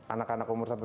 anak anak umur satu tahun